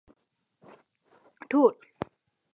ټول